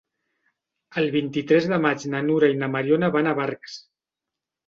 El vint-i-tres de maig na Nura i na Mariona van a Barx.